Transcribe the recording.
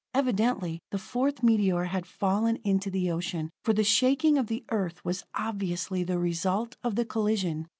Evidently the fourth meteor had fallen into the ocean, for the shaking of the Earth was obviously the result of the collision.